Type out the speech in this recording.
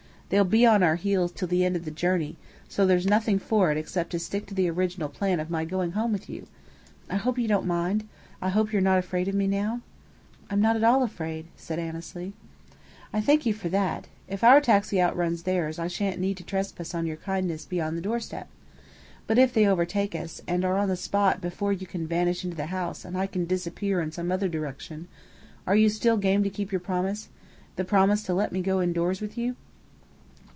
They'll be on our heels till the end of the journey, so there's nothing for it except to stick to the original plan of my going home with you. I hope you don't mind? I hope you're not afraid of me now?" "I'm not at all afraid," said Annesley. "Thank you for that. If our taxi outruns theirs, I sha'n't need to trespass on your kindness beyond the doorstep. But if they overtake us, and are on the spot before you can vanish into the house and I can disappear in some other direction, are you still game to keep your promise the promise to let me go indoors with you?"